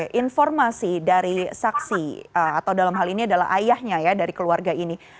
oke informasi dari saksi atau dalam hal ini adalah ayahnya ya dari keluarga ini